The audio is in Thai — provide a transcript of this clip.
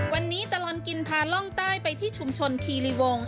วันนี้ตลอดกินพาล่องใต้ไปที่ชุมชนคีรีวง